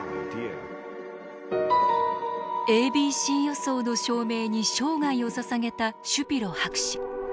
ａｂｃ予想の証明に生涯をささげたシュピロ博士。